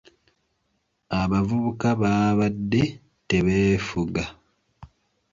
Abavubuka baabadde tebeefuga.